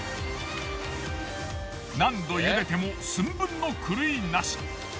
何度茹でても寸分の狂いなし。